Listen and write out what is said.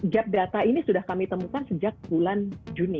gap data ini sudah kami temukan sejak bulan juni